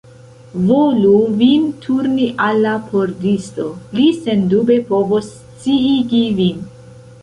Volu vin turni al la pordisto; li sendube povos sciigi vin.